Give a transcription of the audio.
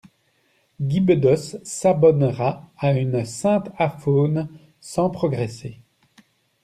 Guy Bedos s'abonnera à une sainte aphone sans progresser.